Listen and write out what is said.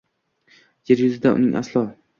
Yer yuzida uning aslo